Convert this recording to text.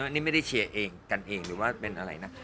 นี่ไม่ได้เชียร์เองกันเองหรือว่าเป็นอะไรนะ